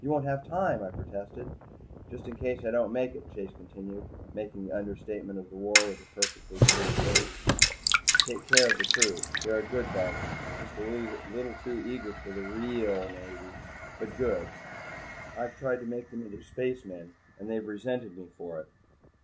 "You won't have time," I protested. "Just in case I don't make it," Chase continued, making the understatement of the war with a perfectly straight face, "take care of the crew. They're a good bunch just a bit too eager for the real Navy but good. I've tried to make them into spacemen and they've resented me for it.